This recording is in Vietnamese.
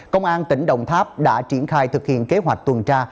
công an tỉnh đồng tháp đã triển khai thực hiện kế hoạch tuần tra